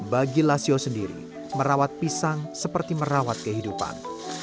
bagi lasio sendiri merawat pisang seperti merawat kehidupan